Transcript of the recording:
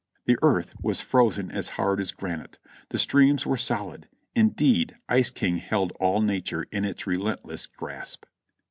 The earth was frozen as hard as granite; the streams were solid ; indeed Ice King held all nature in a relentless grasp.